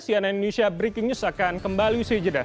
sianan indonesia breaking news akan kembali sejeda